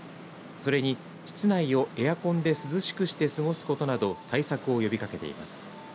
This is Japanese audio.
それに室内をエアコンで涼しくして過ごすことなど対策を呼びかけています。